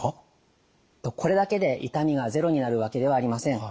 これだけで痛みがゼロになるわけではありません。